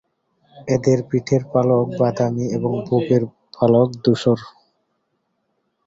এদের পিঠের পালক বাদামী এবং বুকের পালক ধূসর।